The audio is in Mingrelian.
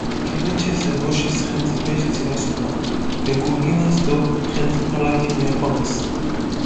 ქემეჩეს ე ბოშის ხენწიფეში ცირასქუა, დეგურგინეს დო ხენწიფალა ქიმიახვამეს.